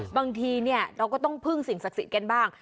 บางทีเราก็ต้องพึ่งสิ่งศักดิ์สิทธิ์กันบ้าง